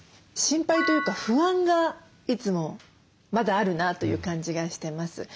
心配というか不安がいつもまだあるなという感じがしてます。